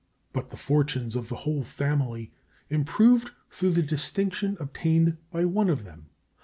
But the fortunes of the whole family improved through the distinction obtained by one of them.